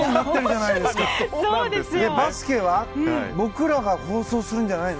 バスケは僕らが放送するんじゃないの？